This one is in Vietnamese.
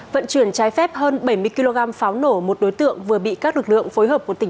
vận chuyển trái phép hơn bảy mươi kg pháo nổ một đối tượng vừa bị các lực lượng phối hợp của tỉnh